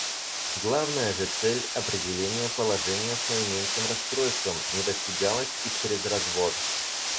Главная же цель — определение положения с наименьшим расстройством — не достигалась и чрез развод.